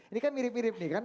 ini kan mirip mirip nih kan